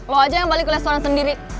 lo aja yang balik ke restoran sendiri